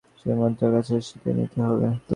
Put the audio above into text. সেই মন্তরটা তার কাছে শিখে নিতে হবে তো।